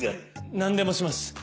何でもします。